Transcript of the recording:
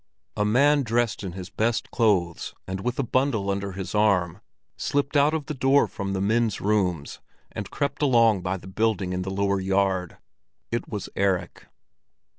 A man dressed in his best clothes, and with a bundle under his arm, slipped out of the door from the men's rooms, and crept along by the building in the lower yard. It was Erik.